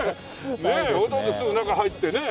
ねえ堂々とすぐ中入ってねえ。